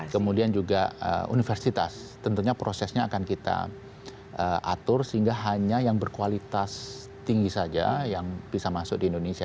kemudian juga universitas tentunya prosesnya akan kita atur sehingga hanya yang berkualitas tinggi saja yang bisa masuk di indonesia